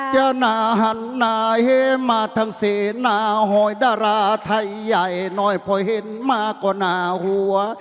จะนาฮันต์นายมาทั้งเสนาหอยดาราไทยใหญ่น้อยพ่อเห็นมากกว่านาหัว